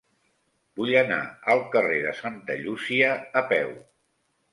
Vull anar al carrer de Santa Llúcia a peu.